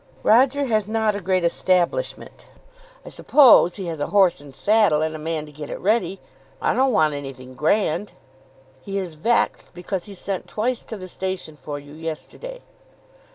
"Roger has not a great establishment." "I suppose he has a horse and saddle, and a man to get it ready. I don't want anything grand." "He is vexed because he sent twice to the station for you yesterday."